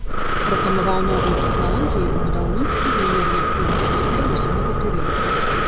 Прапанаваў новыя тэхналогіі ў будаўніцтве меліярацыйных сістэм у зімовы перыяд.